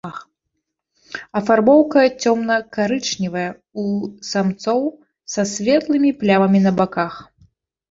Афарбоўка цёмна-карычневая, у самцоў са светлымі плямамі на баках.